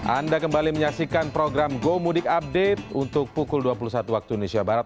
anda kembali menyaksikan program gomudik update untuk pukul dua puluh satu waktu indonesia barat